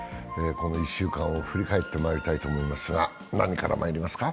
この１週間を振り返ってまいりたいと思いますが何からまいりますか？